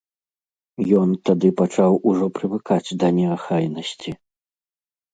Ён тады пачаў ужо прывыкаць да неахайнасці.